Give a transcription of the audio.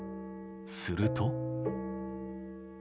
すると。